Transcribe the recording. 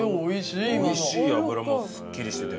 美味しい脂もすっきりしてて。